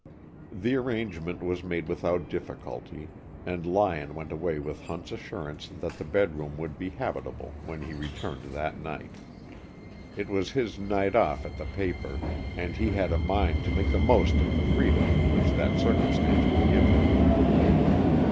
The arrangement was made without difficulty, and Lyon went away with Hunt's assurance that the bedroom would be habitable when he returned that night. It was his "night off" at the paper, and he had a mind to make the most of the freedom which that circumstance would give him.